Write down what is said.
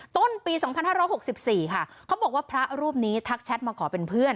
ต้นปีสองพันห้าร้อยหกสิบสี่ค่ะเขาบอกว่าพระรูปนี้ทักแชทมาขอเป็นเพื่อน